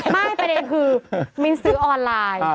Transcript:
ประเด็นคือมิ้นซื้อออนไลน์